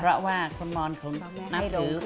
เพราะว่าคนมรเขานักซื้อ